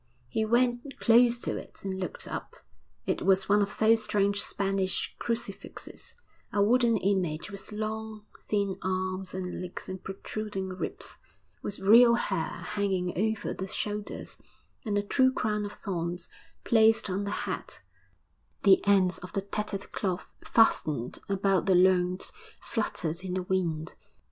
He went close to it and looked up; it was one of those strange Spanish crucifixes a wooden image with long, thin arms and legs and protruding ribs, with real hair hanging over the shoulders, and a true crown of thorns placed on the head; the ends of the tattered cloth fastened about the loins fluttered in the wind.